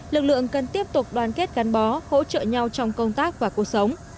lực lượng cần tiếp tục đoàn kết gắn bó hỗ trợ nhau trong công tác và cuộc sống